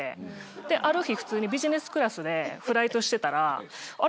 ある日普通にビジネスクラスでフライトしてたらあれ